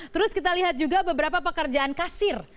terus kita lihat juga beberapa pekerjaan kasir